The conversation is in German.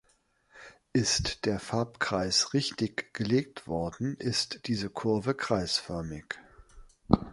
Ist der Farbkreis richtig gelegt worden, ist diese Kurve kreisförmig.